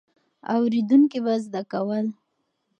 اورېدونکي به زده کول.